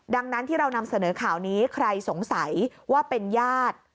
ดังนั้นที่เรานำเสนอข่าวนี้ใครสงสัยว่าเป็นญาติ